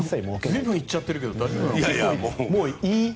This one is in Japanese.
随分言っちゃってるけど。